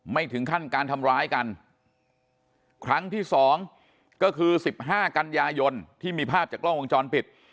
ไม่ถึงขั้นการทำร้ายกันครั้งที่สองก็คือสิบห้ากันยายนที่มีภาพจากกล้องวงจรปิด